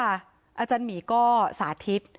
อาจารย์หมีก็สาธิต